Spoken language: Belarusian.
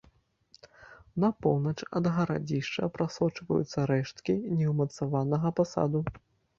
На поўнач ад гарадзішча прасочваюцца рэшткі неўмацаванага пасаду.